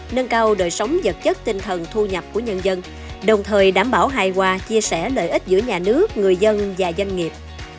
nâng cao đời sống vật chất tinh thần thu nhập của nhân dân đồng thời đảm bảo hài hòa chia sẻ lợi ích giữa nhà nước người dân và doanh nghiệp